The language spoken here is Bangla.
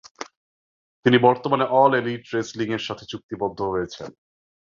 তিনি বর্তমানে অল এলিট রেসলিং এর সাথে চুক্তিবদ্ধ রয়েছেন।